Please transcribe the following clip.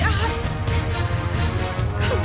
kamu yang menjadi jahat